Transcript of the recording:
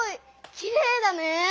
きれいだね。